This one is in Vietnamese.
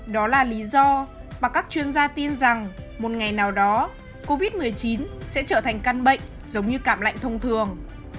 đó là lý do mà các chuyên gia tin rằng một ngày nào đó covid một mươi chín sẽ trở thành căn bệnh giống như cạm lạnh thông thường